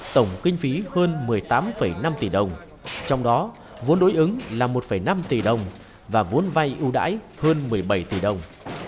tổng kinh phí hơn một mươi tám năm tỷ đồng trong đó vốn đối ứng là một năm tỷ đồng và vốn vay ưu đãi hơn một mươi bảy tỷ đồng